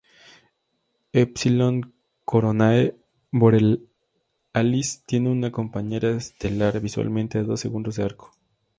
Épsilon Coronae Borealis tiene una compañera estelar visualmente a dos segundos de arco.